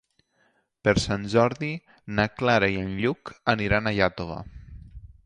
Per Sant Jordi na Clara i en Lluc aniran a Iàtova.